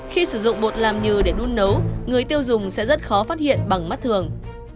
khi sử dụng bột làm nhừ để đun nấu người tiêu dùng sẽ rất khó phát hiện bằng mắt thường